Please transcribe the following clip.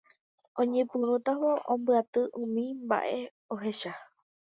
Oñepyrũtavo ombyaty umi mba'e ohecha